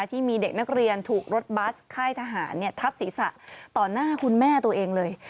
ที่มีเด็กนักเรียนถูกรถบัสค่ายทหารทับศีรษะต่อหน้าคุณแม่ตัวเองเลย